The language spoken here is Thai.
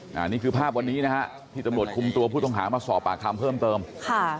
อันนี้คือภาพวันนี้นะฮะที่ตำรวจคุมตัวผู้ต้องหามาสอบปากคำเพิ่มเติมค่ะ